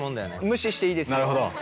無視していいですよ。